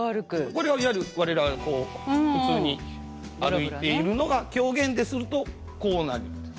これはいわゆる我らがこう普通に歩いているのが狂言でするとこうなるんです。